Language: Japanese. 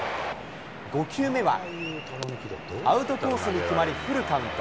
５球目は、アウトコースに決まりフルカウント。